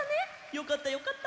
よかったよかった！